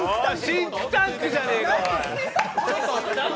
シンクタンクじゃねえかよ！